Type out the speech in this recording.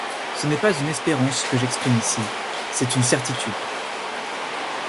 Ce n'est pas une espérance que j'exprime ici, c'est une certitude.